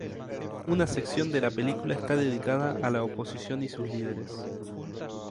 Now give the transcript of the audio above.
Una sección de la película está dedicada a la oposición y sus líderes.